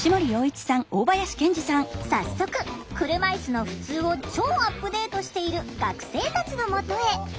早速車いすのふつうを超アップデートしている学生たちのもとへ。